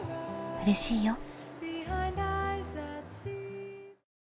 うれしいよ。